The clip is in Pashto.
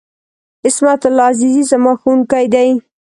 عصمت الله عزیزي ، زما ښوونکی دی.